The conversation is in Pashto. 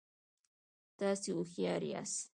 تاسو هوښیار یاست